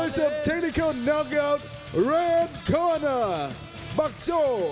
สุดท้าย